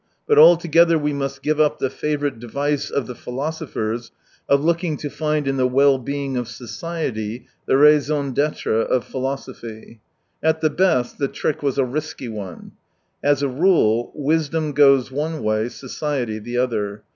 But altogether we must give up the favourite device of the philosophers, of looking to find in the well being of society the raison d^kre of philosophy. At the best, the trick was a risky one. As a rule, wisdom goes one way, society the other.